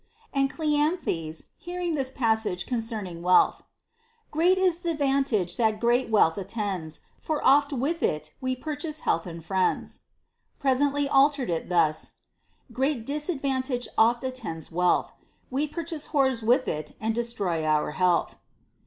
And Cleanthes, hearing this passage concerning wealth : Great is th' advantage that great wealth attends, For oft with it we purchase health and friends ; t presently altered it thus : Great disadvantage oft attends on wealth ; We purchase whores with't and destroy our health.